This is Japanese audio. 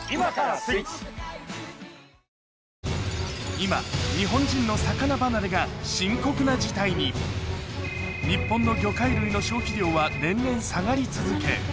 今日本人の魚離れが深刻な事態に日本の魚介類の消費量は年々下がり続け